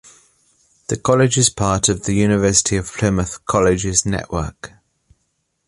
The college is part of The University of Plymouth Colleges network.